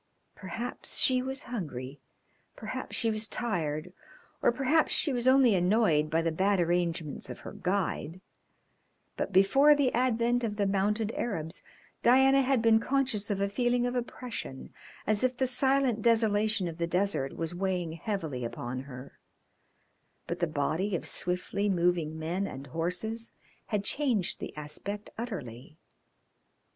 Perhaps she was hungry, perhaps she was tired, or perhaps she was only annoyed by the bad arrangements of her guide, but before the advent of the mounted Arabs Diana had been conscious of a feeling of oppression, as if the silent desolation of the desert was weighing heavily upon her, but the body of swiftly moving men and horses had changed the aspect utterly.